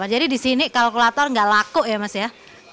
jadi di sini kalkulator gak laku ya mas ya